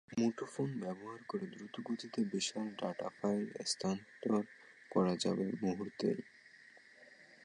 মুঠোফোন ব্যবহার করে দ্রুতগতিতে বিশাল ডেটা ফাইল স্থানান্তর করা যাবে মুহূর্তেই।